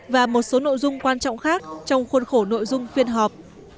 và một số nội dung quan trọng khác trong khuôn khổ nội dung phiên họp